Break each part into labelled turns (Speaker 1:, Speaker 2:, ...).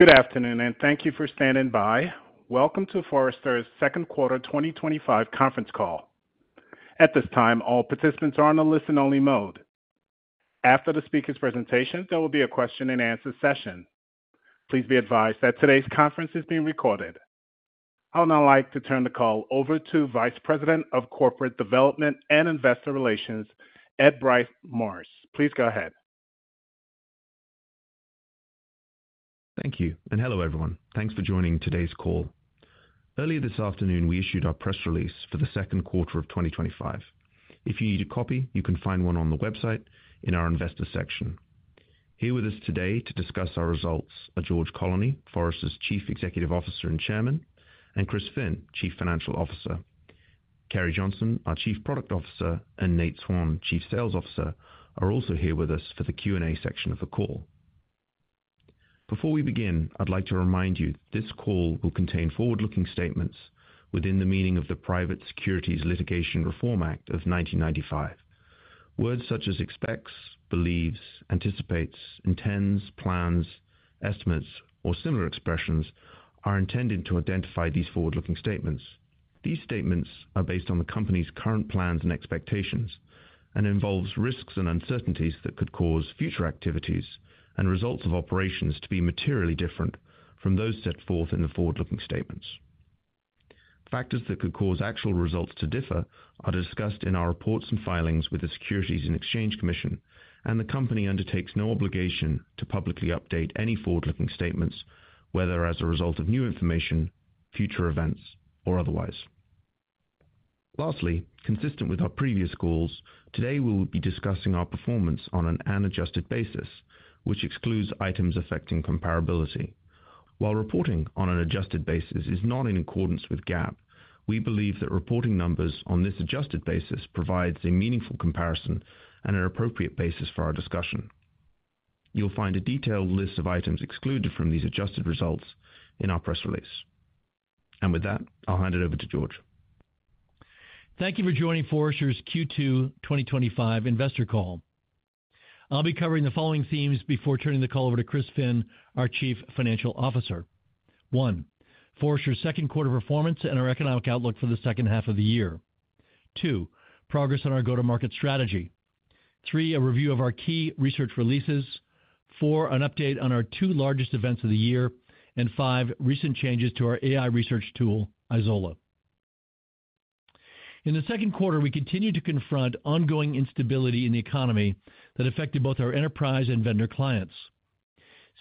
Speaker 1: Good afternoon and thank you for standing by. Welcome to Forrester Research's Second Quarter 2025 Conference Call. At this time, all participants are in a listen-only mode. After the speaker's presentation, there will be a question and answer session. Please be advised that today's conference is being recorded. I would now like to turn the call over to Vice President of Corporate Development and Investor Relations, Ed Bryce Morris. Please go ahead.
Speaker 2: Thank you, and hello everyone. Thanks for joining today's call. Earlier this afternoon, we issued our press release for the second quarter of 2025. If you need a copy, you can find one on the website in our Investor section. Here with us today to discuss our results are George Colony, Forrester Research's Chief Executive Officer and Chairman, and Chris Finn, Chief Financial Officer. Carrie Johnson, our Chief Product Officer, and Nate Swan, Chief Sales Officer, are also here with us for the Q&A section of the call. Before we begin, I'd like to remind you that this call will contain forward-looking statements within the meaning of the Private Securities Litigation Reform Act of 1995. Words such as expects, believes, anticipates, intends, plans, estimates, or similar expressions are intended to identify these forward-looking statements. These statements are based on the company's current plans and expectations and involve risks and uncertainties that could cause future activities and results of operations to be materially different from those set forth in the forward-looking statements. Factors that could cause actual results to differ are discussed in our reports and filings with the Securities and Exchange Commission, and the company undertakes no obligation to publicly update any forward-looking statements, whether as a result of new information, future events, or otherwise. Lastly, consistent with our previous calls, today we will be discussing our performance on an unadjusted basis, which excludes items affecting comparability. While reporting on an adjusted basis is not in accordance with GAAP, we believe that reporting numbers on this adjusted basis provide a meaningful comparison and an appropriate basis for our discussion. You'll find a detailed list of items excluded from these adjusted results in our press release. With that, I'll hand it over to George.
Speaker 3: Thank you for joining Forrester's Q2 2025 Investor Call. I'll be covering the following themes before turning the call over to Chris Finn, our Chief Financial Officer. One, Forrester's second quarter performance and our economic outlook for the second half of the year. Two, progress on our go-to-market strategy. Three, a review of our key research releases. Four, an update on our two largest events of the year. Five, recent changes to our AI research tool, Isola. In the second quarter, we continued to confront ongoing instability in the economy that affected both our enterprise and vendor clients.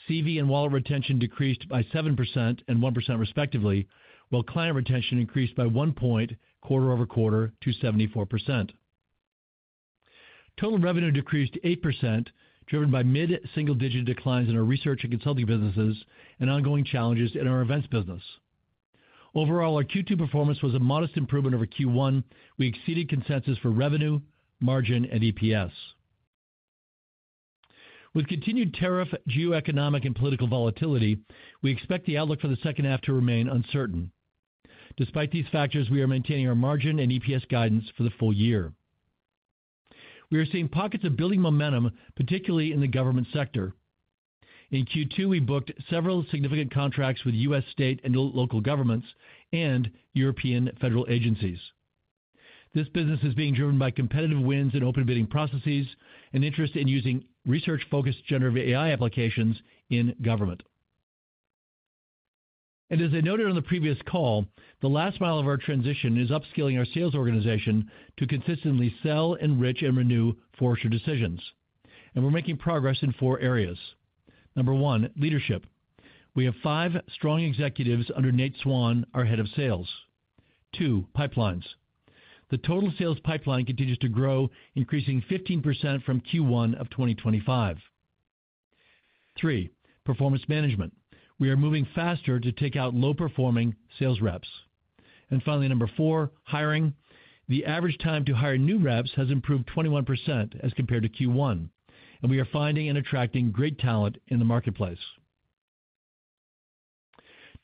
Speaker 3: CV and wallet retention decreased by 7% and 1% respectively, while client retention increased by one point quarter over quarter to 74%. Total revenue decreased 8%, driven by mid-single-digit declines in our research and consulting businesses and ongoing challenges in our events business. Overall, our Q2 performance was a modest improvement over Q1. We exceeded consensus for revenue, margin, and EPS. With continued tariff, geoeconomic, and political volatility, we expect the outlook for the second half to remain uncertain. Despite these factors, we are maintaining our margin and EPS guidance for the full year. We are seeing pockets of building momentum, particularly in the government sector. In Q2, we booked several significant contracts with U.S. state and local governments and European federal agencies. This business is being driven by competitive wins in open bidding processes and interest in using research-focused generative AI applications in government. As I noted on the previous call, the last mile of our transition is upskilling our sales organization to consistently sell, enrich, and renew Forrester decisions. We're making progress in four areas. Number one, leadership. We have five strong executives under Nate Swan, our Head of Sales. Two, pipelines. The total sales pipeline continues to grow, increasing 15% from Q1 of 2025. Three, performance management. We are moving faster to take out low-performing sales reps. Finally, number four, hiring. The average time to hire new reps has improved 21% as compared to Q1, and we are finding and attracting great talent in the marketplace.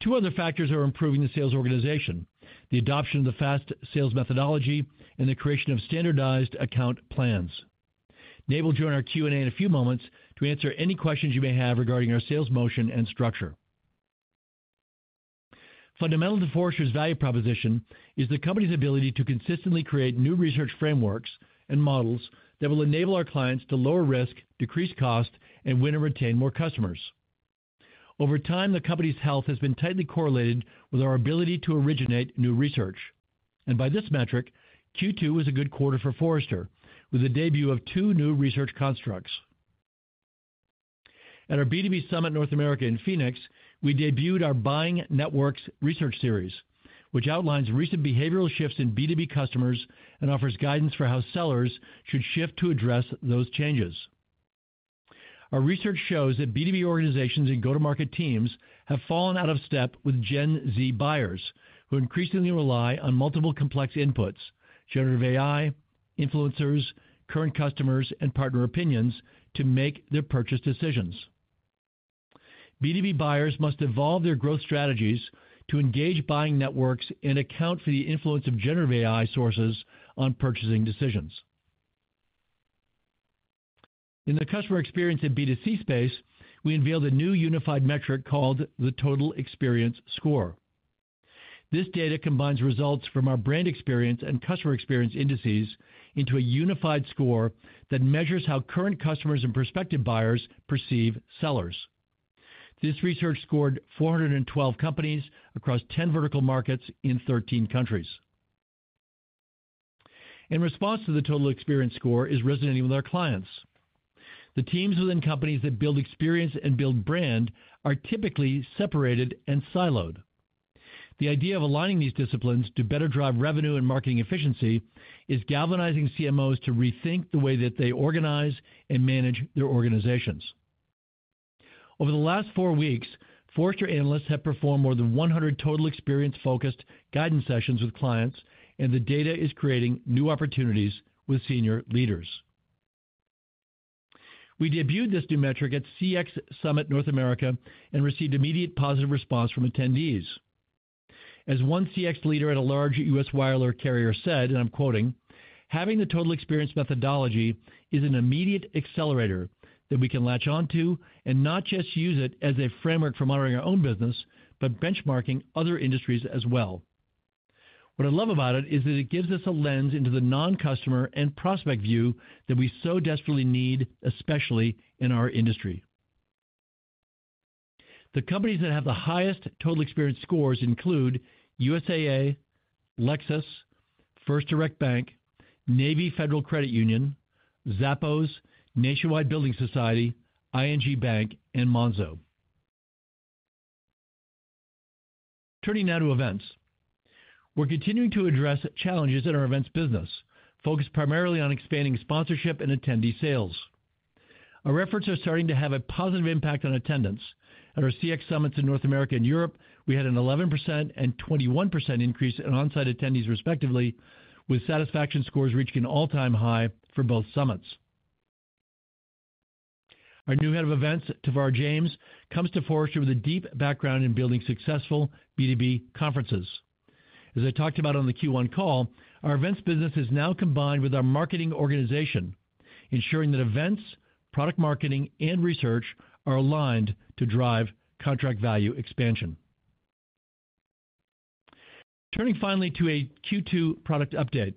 Speaker 3: Two other factors are improving the sales organization: the adoption of the FAST sales methodology and the creation of standardized account plans. Nate will join our Q&A in a few moments to answer any questions you may have regarding our sales motion and structure. Fundamental to Forrester's value proposition is the company's ability to consistently create new research frameworks and models that will enable our clients to lower risk, decrease cost, and win and retain more customers. Over time, the company's health has been tightly correlated with our ability to originate new research. By this metric, Q2 is a good quarter for Forrester with the debut of two new research constructs. At our B2B Summit North America in Phoenix, we debuted our Buying Networks research series, which outlines recent behavioral shifts in B2B customers and offers guidance for how sellers should shift to address those changes. Our research shows that B2B organizations and go-to-market teams have fallen out of step with Gen Z buyers, who increasingly rely on multiple complex inputs: generative AI, influencers, current customers, and partner opinions to make their purchase decisions. B2B buyers must evolve their growth strategies to engage buying networks and account for the influence of generative AI sources on purchasing decisions. In the customer experience and B2C space, we unveiled a new unified metric called the Total Experience Score. This data combines results from our brand experience and customer experience indices into a unified score that measures how current customers and prospective buyers perceive sellers. This research scored 412 companies across 10 vertical markets in 13 countries. The response to the Total Experience Score is resonating with our clients. The teams within companies that build experience and build brand are typically separated and siloed. The idea of aligning these disciplines to better drive revenue and marketing efficiency is galvanizing CMOs to rethink the way that they organize and manage their organizations. Over the last four weeks, Forrester analysts have performed more than 100 Total Experience-focused guidance sessions with clients, and the data is creating new opportunities with senior leaders. We debuted this new metric at CX Summit North America and received immediate positive response from attendees. As one CX leader at a large U.S. Wireless carrier said, and I'm quoting, "Having the Total Experience methodology is an immediate accelerator that we can latch onto and not just use it as a framework for monitoring our own business, but benchmarking other industries as well." What I love about it is that it gives us a lens into the non-customer and prospect view that we so desperately need, especially in our industry. The companies that have the highest Total Experience scores include USAA, Lexus, First Direct Bank, Navy Federal Credit Union, Zappos, Nationwide Building Society, ING Bank, and Monzo. Turning now to events, we're continuing to address challenges in our events business, focused primarily on expanding sponsorship and attendee sales. Our efforts are starting to have a positive impact on attendance. At our CX Summits in North America and Europe, we had an 11% and 21% increase in onsite attendees respectively, with satisfaction scores reaching an all-time high for both summits. Our new head of events, Tavar James, comes to Forrester Research with a deep background in building successful B2B conferences. As I talked about on the Q1 call, our events business is now combined with our marketing organization, ensuring that events, product marketing, and research are aligned to drive contract value expansion. Turning finally to a Q2 product update,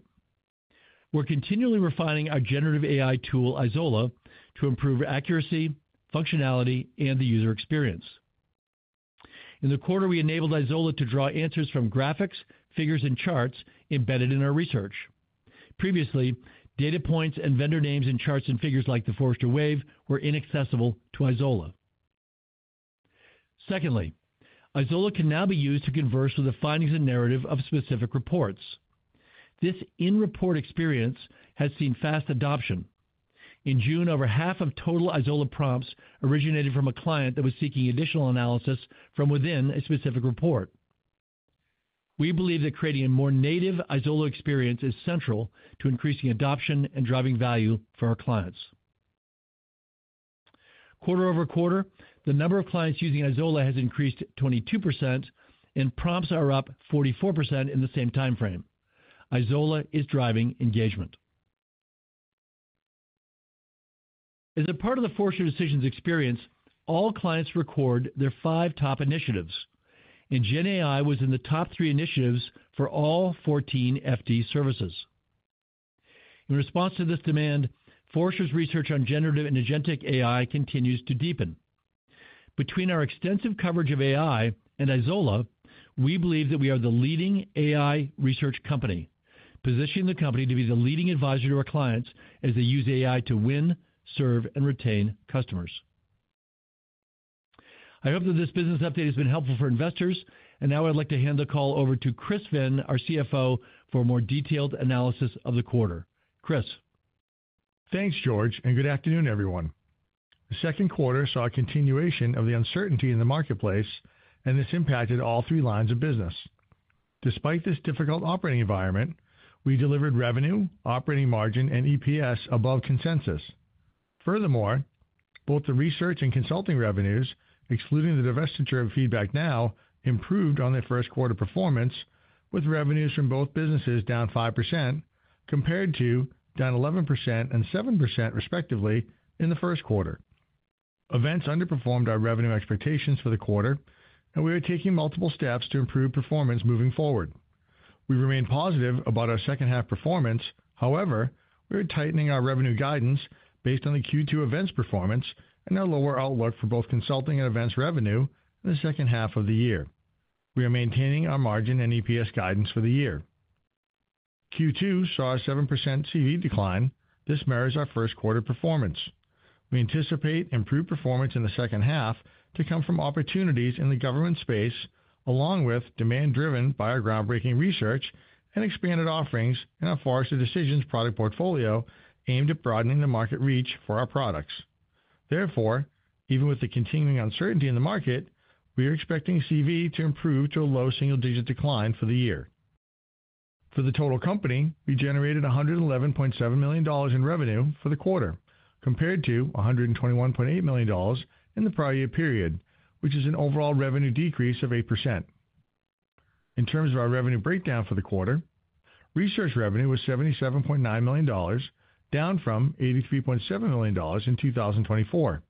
Speaker 3: we're continually refining our generative AI tool, Isola, to improve accuracy, functionality, and the user experience. In the quarter, we enabled Isola to draw answers from graphics, figures, and charts embedded in our research. Previously, data points and vendor names in charts and figures like the Forrester Wave were inaccessible to Isola. Secondly, Isola can now be used to converse with the findings and narrative of specific reports. This in-report experience has seen fast adoption. In June, over half of total Isola prompts originated from a client that was seeking additional analysis from within a specific report. We believe that creating a more native Isola experience is central to increasing adoption and driving value for our clients. Quarter-over-quarter, the number of clients using Isola has increased 22%, and prompts are up 44% in the same timeframe. Isola is driving engagement. As a part of the Forrester Decisions experience, all clients record their five top initiatives, and GenAI was in the top three initiatives for all 14 FD services. In response to this demand, Forrester Research's research on generative and agentic AI continues to deepen. Between our extensive coverage of AI and Isola, we believe that we are the leading AI research company, positioning the company to be the leading advisor to our clients as they use AI to win, serve, and retain customers. I hope that this business update has been helpful for investors, and now I'd like to hand the call over to Chris Finn, our Chief Financial Officer, for a more detailed analysis of the quarter. Chris.
Speaker 4: Thanks, George, and good afternoon, everyone. The second quarter saw a continuation of the uncertainty in the marketplace, and this impacted all three lines of business. Despite this difficult operating environment, we delivered revenue, operating margin, and EPS above consensus. Furthermore, both the research and consulting revenues, excluding the divestiture of FeedbackNow, improved on their first quarter performance, with revenues from both businesses down 5% compared to down 11% and 7% respectively in the first quarter. Events underperformed our revenue expectations for the quarter, and we are taking multiple steps to improve performance moving forward. We remain positive about our second-half performance. However, we are tightening our revenue guidance based on the Q2 events performance and our lower outlook for both consulting and events revenue in the second half of the year. We are maintaining our margin and EPS guidance for the year. Q2 saw a 7% CV decline. This mirrors our first quarter performance. We anticipate improved performance in the second half to come from opportunities in the government space, along with demand driven by our groundbreaking research and expanded offerings in our Forrester Decisions product portfolio aimed at broadening the market reach for our products. Therefore, even with the continuing uncertainty in the market, we are expecting CV to improve to a low single-digit decline for the year. For the total company, we generated $111.7 million in revenue for the quarter, compared to $121.8 million in the prior year period, which is an overall revenue decrease of 8%. In terms of our revenue breakdown for the quarter, research revenue was $77.9 million, down from $83.7 million in 2024.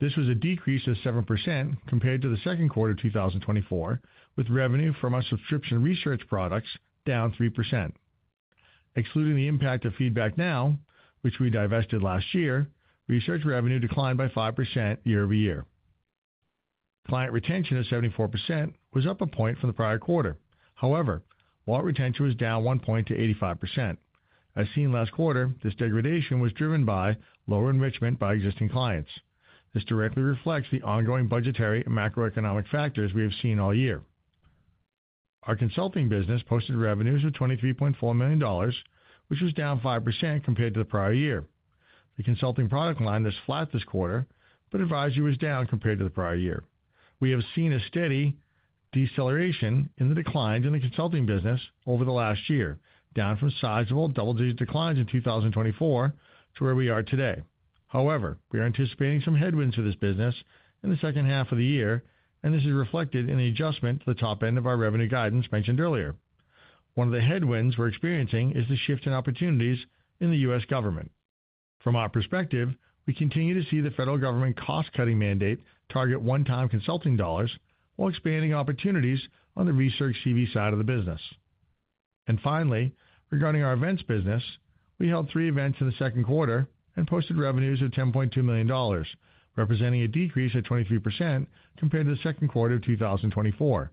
Speaker 4: This was a decrease of 7% compared to the second quarter of 2024, with revenue from our subscription research products down 3%. Excluding the impact of FeedbackNow, which we divested last year, research revenue declined by 5% year over year. Client retention at 74% was up a point from the prior quarter. However, wallet retention was down one point to 85%. As seen last quarter, this degradation was driven by lower enrichment by existing clients. This directly reflects the ongoing budgetary and macroeconomic factors we have seen all year. Our consulting business posted revenues of $23.4 million, which was down 5% compared to the prior year. The consulting product line is flat this quarter, but advisory was down compared to the prior year. We have seen a steady deceleration in the declines in the consulting business over the last year, down from sizable double-digit declines in 2024 to where we are today. However, we are anticipating some headwinds to this business in the second half of the year, and this is reflected in an adjustment to the top end of our revenue guidance mentioned earlier. One of the headwinds we're experiencing is the shift in opportunities in the U.S. government. From our perspective, we continue to see the federal government cost-cutting mandate target one-time consulting dollars while expanding opportunities on the research CV side of the business. Finally, regarding our events business, we held three events in the second quarter and posted revenues of $10.2 million, representing a decrease of 23% compared to the second quarter of 2024.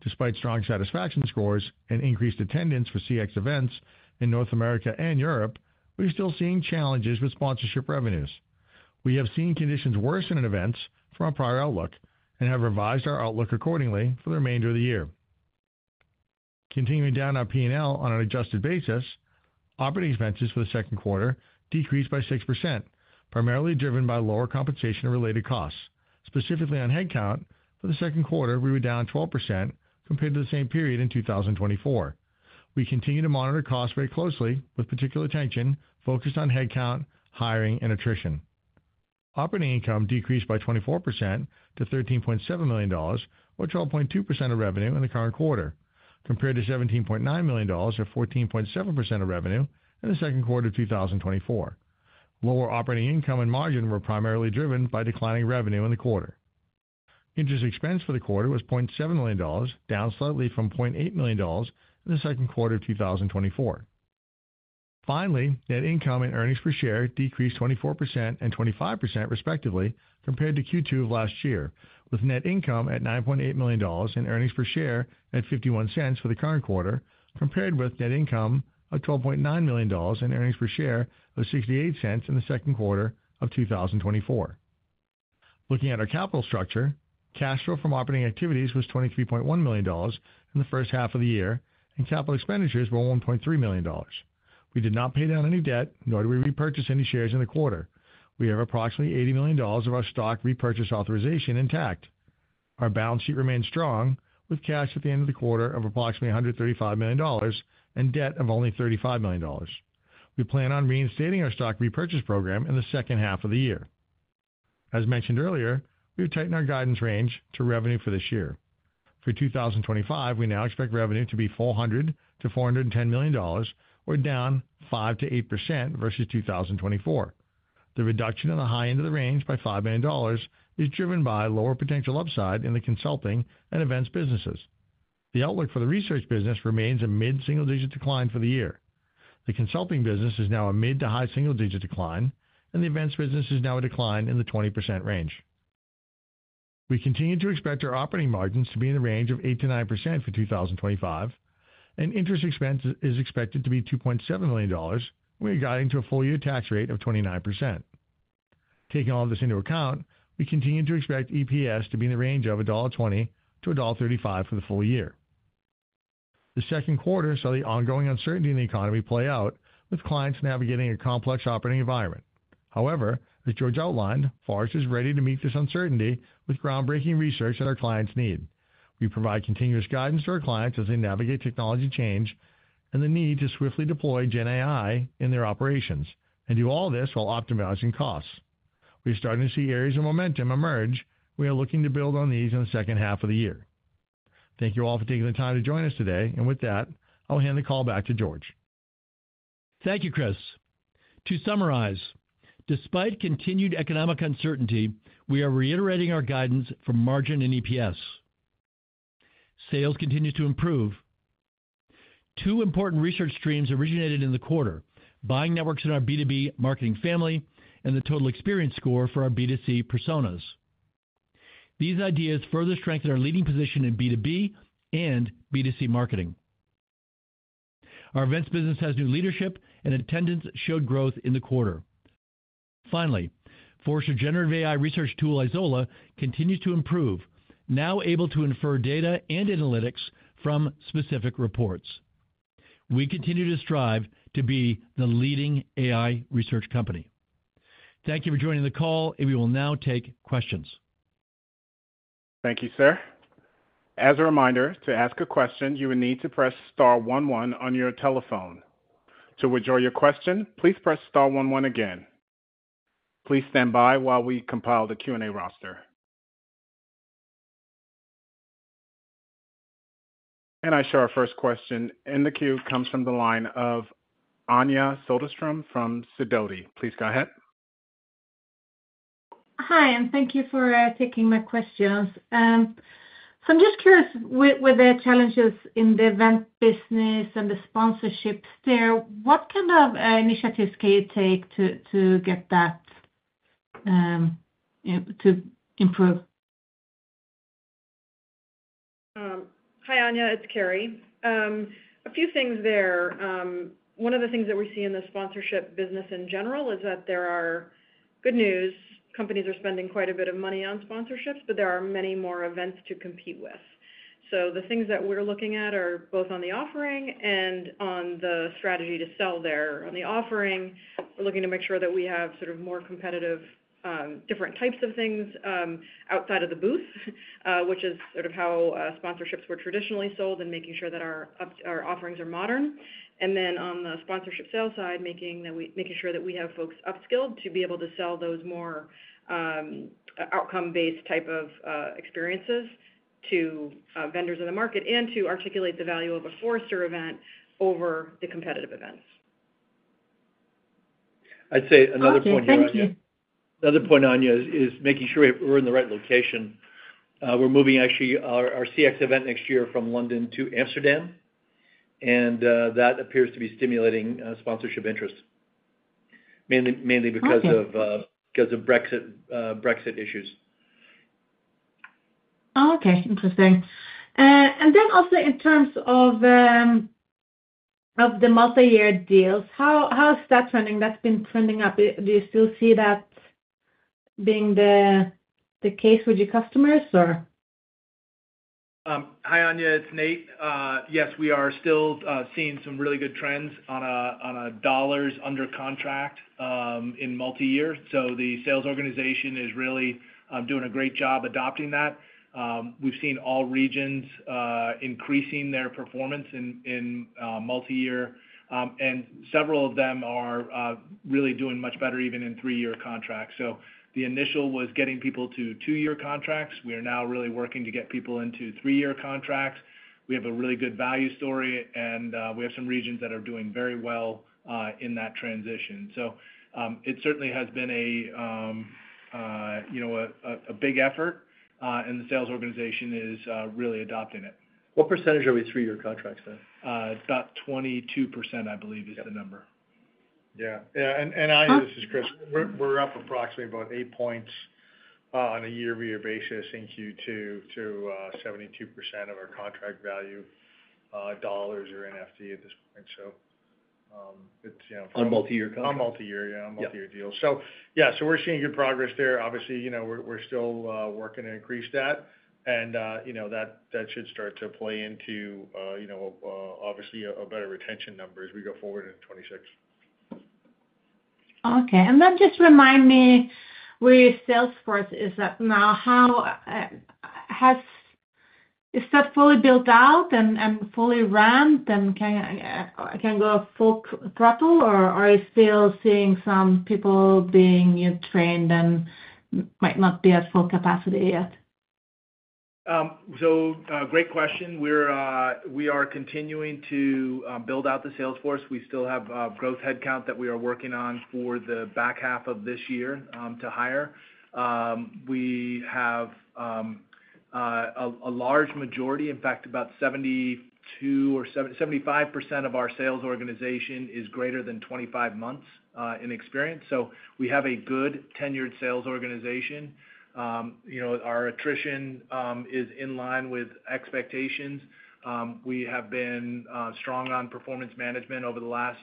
Speaker 4: Despite strong satisfaction scores and increased attendance for CX events in North America and Europe, we are still seeing challenges with sponsorship revenues. We have seen conditions worsen in events from our prior outlook and have revised our outlook accordingly for the remainder of the year. Continuing down our P&L on an adjusted basis, operating expenses for the second quarter decreased by 6%, primarily driven by lower compensation and related costs. Specifically on headcount, for the second quarter, we were down 12% compared to the same period in 2024. We continue to monitor costs very closely with particular attention focused on headcount, hiring, and attrition. Operating income decreased by 24% to $13.7 million, or 12.2% of revenue in the current quarter, compared to $17.9 million or 14.7% of revenue in the second quarter of 2024. Lower operating income and margin were primarily driven by declining revenue in the quarter. Interest expense for the quarter was $0.7 million, down slightly from $0.8 million in the second quarter of 2024. Finally, net income and earnings per share decreased 24% and 25% respectively compared to Q2 of last year, with net income at $9.8 million and earnings per share at $0.51 for the current quarter, compared with net income of $12.9 million and earnings per share of $0.68 in the second quarter of 2024. Looking at our capital structure, cash flow from operating activities was $23.1 million in the first half of the year, and capital expenditures were $1.3 million. We did not pay down any debt, nor did we repurchase any shares in the quarter. We have approximately $80 million of our stock repurchase authorization intact. Our balance sheet remains strong, with cash at the end of the quarter of approximately $135 million and debt of only $35 million. We plan on reinstating our stock repurchase program in the second half of the year. As mentioned earlier, we have tightened our guidance range to revenue for this year. For 2025, we now expect revenue to be $400 million-$410 million, or down 5%-8% versus 2024. The reduction in the high end of the range by $5 million is driven by lower potential upside in the consulting and events businesses. The outlook for the research business remains a mid-single-digit decline for the year. The consulting business is now a mid to high single-digit decline, and the events business is now a decline in the 20% range. We continue to expect our operating margins to be in the range of 8%-9% for 2025, and interest expense is expected to be $2.7 million, and we are guiding to a full-year tax rate of 29%. Taking all of this into account, we continue to expect EPS to be in the range of $1.20-$1.35 for the full year. The second quarter saw the ongoing uncertainty in the economy play out, with clients navigating a complex operating environment. However, as George outlined, Forrester is ready to meet this uncertainty with groundbreaking research that our clients need. We provide continuous guidance to our clients as they navigate technology change and the need to swiftly deploy GenAI in their operations and do all this while optimizing costs. We are starting to see areas of momentum emerge, and we are looking to build on these in the second half of the year. Thank you all for taking the time to join us today, and with that, I'll hand the call back to George.
Speaker 3: Thank you, Chris. To summarize, despite continued economic uncertainty, we are reiterating our guidance for margin and EPS. Sales continues to improve. Two important research streams originated in the quarter: Buying Networks research series in our B2B marketing family and the Total Experience Score for our B2C personas. These ideas further strengthen our leading position in B2B and B2C marketing. Our events business has new leadership, and attendance showed growth in the quarter. Finally, Forrester's generative AI research tool, Isola, continues to improve, now able to infer data and analytics from specific reports. We continue to strive to be the leading AI research company. Thank you for joining the call, and we will now take questions.
Speaker 1: Thank you, sir. As a reminder, to ask a question, you will need to press star one one on your telephone. To withdraw your question, please press star one one again. Please stand by while we compile the Q&A roster. I show our first question in the queue comes from the line of Anja Soderstrom from Sidoti. Please go ahead.
Speaker 5: Hi, and thank you for taking my questions. I'm just curious, with the challenges in the event business and the sponsorships there, what kind of initiatives can you take to get that to improve?
Speaker 6: Hi, Anja. It's Carrie. A few things there. One of the things that we see in the sponsorship business in general is that there is good news. Companies are spending quite a bit of money on sponsorships, but there are many more events to compete with. The things that we're looking at are both on the offering and on the strategy to sell there. On the offering, we're looking to make sure that we have more competitive, different types of things outside of the booth, which is how sponsorships were traditionally sold, and making sure that our offerings are modern. On the sponsorship sales side, making sure that we have folks upskilled to be able to sell those more outcome-based type of experiences to vendors in the market and to articulate the value of a Forrester event over the competitive events.
Speaker 7: I'd say another point, Anja, is making sure we're in the right location. We're moving actually our CX event next year from London to Amsterdam, and that appears to be stimulating sponsorship interest, mainly because of Brexit issues.
Speaker 5: Oh, okay. Interesting. In terms of the multi-year deals, how is that trending? That's been trending up. Do you still see that being the case with your customers?
Speaker 7: Hi, Anja. It's Nate. Yes, we are still seeing some really good trends on dollars under contract in multi-year. The sales organization is really doing a great job adopting that. We've seen all regions increasing their performance in multi-year, and several of them are really doing much better even in three-year contracts. The initial was getting people to two-year contracts. We are now really working to get people into three-year contracts. We have a really good value story, and we have some regions that are doing very well in that transition. It certainly has been a big effort, and the sales organization is really adopting it.
Speaker 4: What percentage are we three-year contracts then?
Speaker 7: It's about 22%, I believe, is the number.
Speaker 4: Yeah. This is Chris. We're up approximately about eight points on a year-over-year basis in Q2 to 72% of our contract value dollars or NFT at this point.
Speaker 7: On multi-year.
Speaker 4: On multi-year deals, we're seeing good progress there. Obviously, we're still working to increase that, and that should start to play into, obviously, a better retention number as we go forward into 2026.
Speaker 5: Okay. Just remind me with Salesforce, is that now fully built out and fully ran, and can I go full throttle, or are you still seeing some people being trained and might not be at full capacity yet?
Speaker 7: Great question. We are continuing to build out the Salesforce. We still have a growth headcount that we are working on for the back half of this year to hire. We have a large majority, in fact, about 72% or 75% of our sales organization is greater than 25 months in experience. We have a good tenured sales organization. Our attrition is in line with expectations. We have been strong on performance management over the last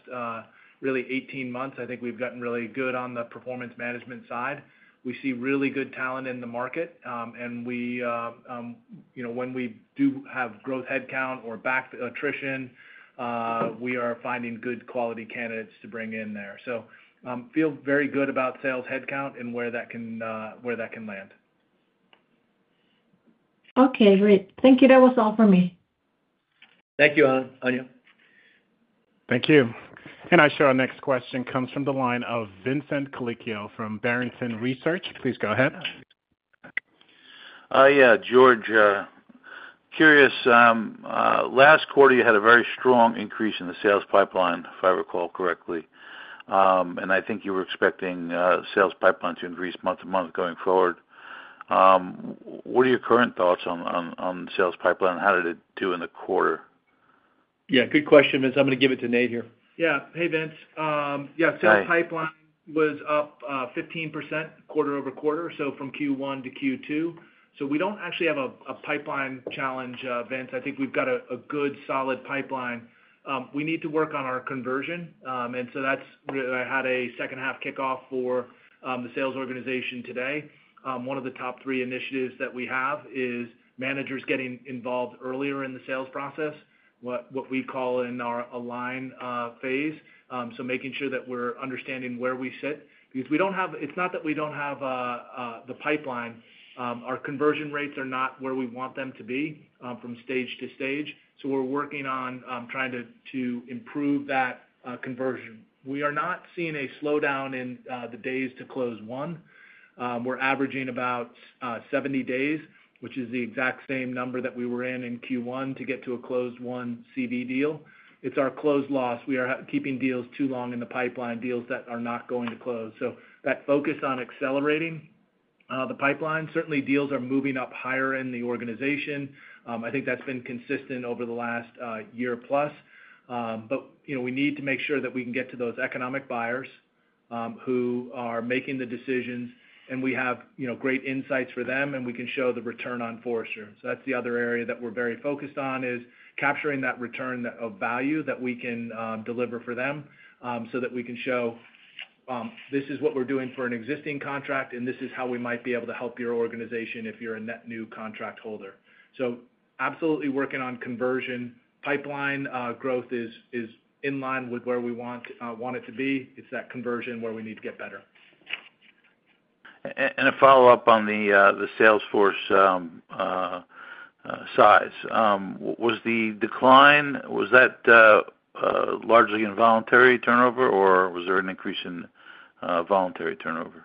Speaker 7: really 18 months. I think we've gotten really good on the performance management side. We see really good talent in the market, and when we do have growth headcount or back attrition, we are finding good quality candidates to bring in there. I feel very good about sales headcount and where that can land.
Speaker 5: Okay. Great. Thank you. That was all for me.
Speaker 7: Thank you, Anja.
Speaker 1: Thank you. I show our next question comes from the line of Vincent Colicchio from Barrington Research. Please go ahead.
Speaker 8: Yeah, George, curious, last quarter you had a very strong increase in the sales pipeline, if I recall correctly. I think you were expecting sales pipeline to increase month to month going forward. What are your current thoughts on sales pipeline? How did it do in the quarter?
Speaker 7: Yeah, good question, Vince. I'm going to give it to Nate here. Yeah. Hey, Vince. Yeah, sales pipeline was up 15% quarter-over-quarter, so from Q1 to Q2. We don't actually have a pipeline challenge, Vince. I think we've got a good solid pipeline. We need to work on our conversion. That's really, I had a second half kickoff for the sales organization today. One of the top three initiatives that we have is managers getting involved earlier in the sales process, what we call in our align phase, making sure that we're understanding where we sit. We don't have, it's not that we don't have the pipeline. Our conversion rates are not where we want them to be from stage to stage. We're working on trying to improve that conversion. We are not seeing a slowdown in the days to close one. We're averaging about 70 days, which is the exact same number that we were in in Q1 to get to a closed one CV deal. It's our closed loss. We are keeping deals too long in the pipeline, deals that are not going to close. That focus on accelerating the pipeline, certainly deals are moving up higher in the organization. I think that's been consistent over the last year plus. We need to make sure that we can get to those economic buyers who are making the decisions, and we have great insights for them, and we can show the return on Forrester. That's the other area that we're very focused on is capturing that return of value that we can deliver for them so that we can show this is what we're doing for an existing contract, and this is how we might be able to help your organization if you're a net new contract holder. Absolutely working on conversion. Pipeline growth is in line with where we want it to be. It's that conversion where we need to get better.
Speaker 8: And a follow-up on the Salesforce size, was the decline, was that largely involuntary turnover, or was there an increase in voluntary turnover?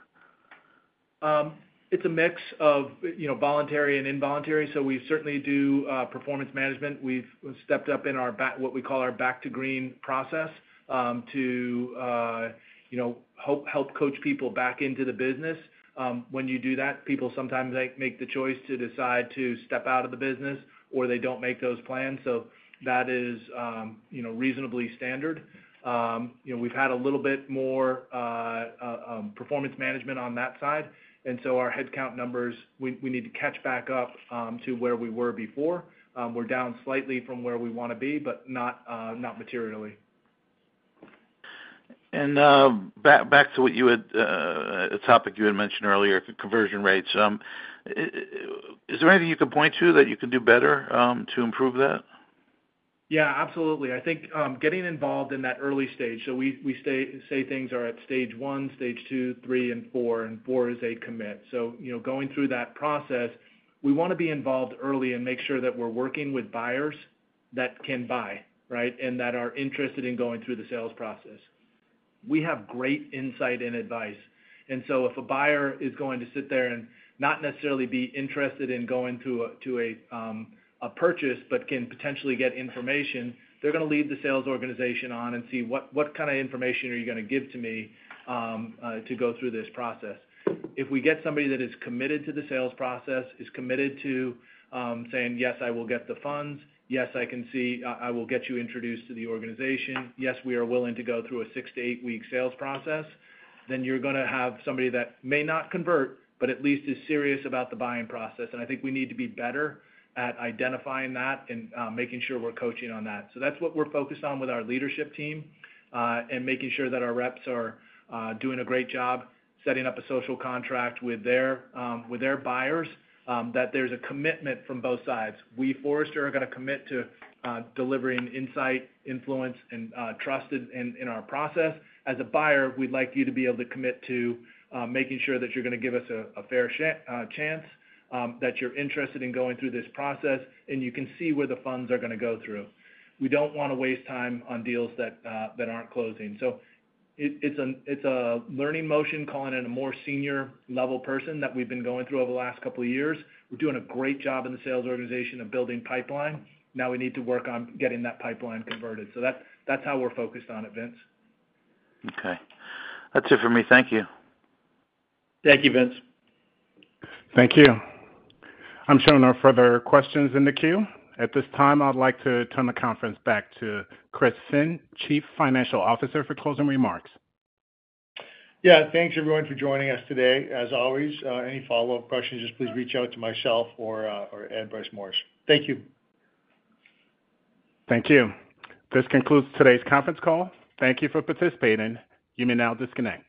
Speaker 7: It's a mix of voluntary and involuntary. We certainly do performance management. We've stepped up in what we call our back-to-green process to help coach people back into the business. When you do that, people sometimes make the choice to decide to step out of the business, or they don't make those plans. That is reasonably standard. We've had a little bit more performance management on that side, and our headcount numbers, we need to catch back up to where we were before. We're down slightly from where we want to be, but not materially.
Speaker 8: Regarding a topic you had mentioned earlier, conversion rates, is there anything you could point to that you could do better to improve that?
Speaker 7: Yeah, absolutely. I think getting involved in that early stage, we say things are at stage one, stage two, three, and four, and four is a commit. Going through that process, we want to be involved early and make sure that we're working with buyers that can buy, right, and that are interested in going through the sales process. We have great insight and advice. If a buyer is going to sit there and not necessarily be interested in going through a purchase, but can potentially get information, they're going to lead the sales organization on and see what kind of information are you going to give to me to go through this process. If we get somebody that is committed to the sales process, is committed to saying, "Yes, I will get the funds. Yes, I can see I will get you introduced to the organization. Yes, we are willing to go through a six to eight-week sales process," then you're going to have somebody that may not convert, but at least is serious about the buying process. I think we need to be better at identifying that and making sure we're coaching on that. That's what we're focused on with our leadership team and making sure that our reps are doing a great job setting up a social contract with their buyers, that there's a commitment from both sides. We, Forrester, are going to commit to delivering insight, influence, and trust in our process. As a buyer, we'd like you to be able to commit to making sure that you're going to give us a fair chance, that you're interested in going through this process, and you can see where the funds are going to go through. We don't want to waste time on deals that aren't closing. It's a learning motion calling in a more senior-level person that we've been going through over the last couple of years. We're doing a great job in the sales organization of building pipeline. Now we need to work on getting that pipeline converted. That's how we're focused on it, Vince.
Speaker 8: Okay, that's it for me. Thank you.
Speaker 7: Thank you, Vince.
Speaker 1: Thank you. I'm showing no further questions in the queue. At this time, I'd like to turn the conference back to Chris Finn, Chief Financial Officer, for closing remarks.
Speaker 4: Yeah, thanks everyone for joining us today. As always, any follow-up questions, just please reach out to myself or Ed Bryce Morris. Thank you.
Speaker 1: Thank you. This concludes today's conference call. Thank you for participating. You may now disconnect.